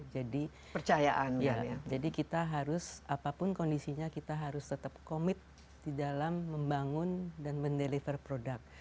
jadi kita harus apapun kondisinya kita harus tetap komit di dalam membangun dan mendelever produk